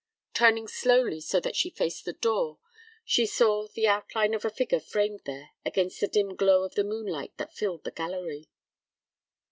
Turning slowly so that she faced the door, she saw the outline of a figure framed there against the dim glow of the moonlight that filled the gallery.